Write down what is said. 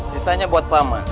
sisanya buat paman